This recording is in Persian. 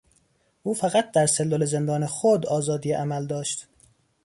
او فقط در سلول زندان خود آزادی عمل داشت.